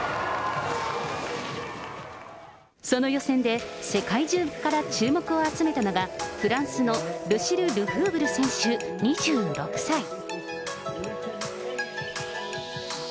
その予選で、世界中から注目を集めたのが、フランスのルシル・ルフーブル選手２６歳。